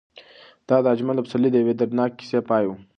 دا د اجمل پسرلي د یوې دردناکې کیسې پای و.